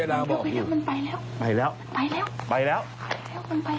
ไหนคลิป